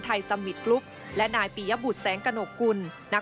เพื่อให้ด้านกฎหมายรัฐธรรมนูน